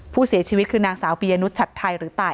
ผู้เสียชีวิตคือนางสาวปียนุชชัดไทยหรือตาย